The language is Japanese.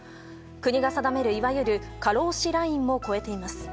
国が定めるいわゆる過労死ラインも超えています。